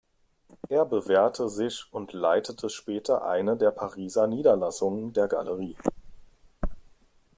Er bewährte sich und leitete später eine der Pariser Niederlassungen der Galerie.